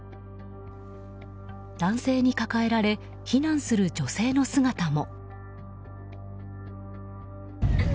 男性に抱えられ避難する女性の姿も。